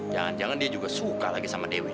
jangan jangan dia juga suka lagi sama dewi